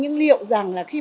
người quyết tật về nhìn